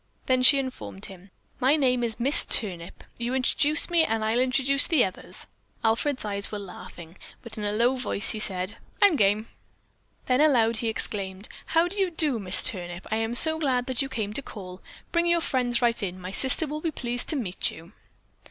Then she informed him: "My name is Miss Turnip. You introduce me and I'll introduce the others." Alfred's eyes were laughing, but in a low voice he said, "I'm game!" Then aloud he exclaimed: "How do you do, Miss Turnip. I am so glad that you came to call. Bring your friends right in. My sister will be pleased to meet you."